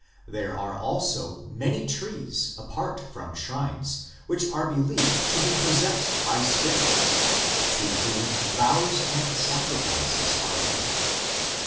... There are also many trees apart from shrines, which are believed to be possessed by spirits, to whom vows and sacri fices are made.